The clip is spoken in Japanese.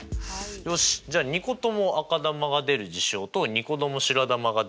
よしじゃあ２個とも赤球が出る事象と２個とも白球が出る事象。